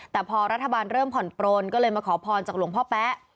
แต่พอรัฐบาลเริ่มผ่อนปลนก็เลยมาขอพรจากหลวงพ่อแป๊ะ